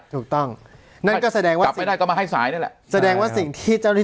ถูกต้องนั่นก็แสดงว่าไม่ได้ก็มาให้สายนั่นแหละแสดงว่าสิ่งที่เจ้าหน้าที่